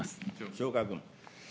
塩川君。